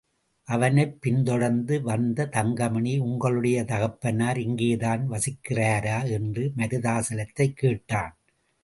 அவனைப் பின்தொடர்ந்து வந்த தங்கமணி, உங்களுடைய தகப்பனார் இங்கேதான் வசிக்கிறாரா? என்று மருதாசலத்தைக் கேட்டான்.